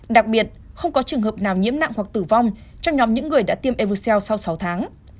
đặc biệt không có trường hợp nào nhiễm nặng hoặc tử vong trong nhóm những người đã tiêm eversea sau sáu tháng